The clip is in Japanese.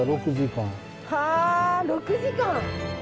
はあ６時間。